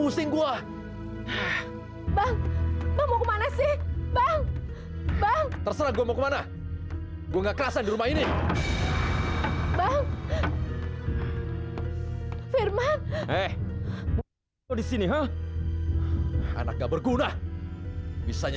sampai jumpa di video selanjutnya